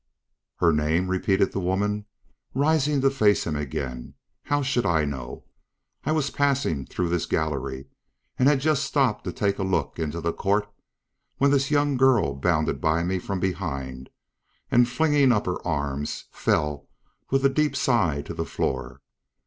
"Her name?" repeated the woman, rising to face him again. "How should I know? I was passing through this gallery and had just stopped to take a look into the court when this young girl bounded by me from behind and flinging up her arms, fell with a deep sigh to the floor.